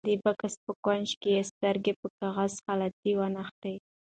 د بکس په کونج کې یې سترګې په کاغذي خلطې ونښتې.